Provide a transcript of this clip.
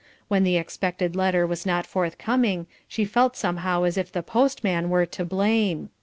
When the expected letter was not forthcoming she felt somehow as if the postman were to blame.